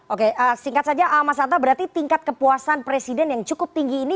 oke singkat saja mas anta berarti tingkat kepuasan presiden yang cukup tinggi ini